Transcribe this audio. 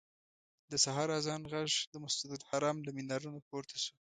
د سهار اذان غږ د مسجدالحرام له منارونو پورته شو.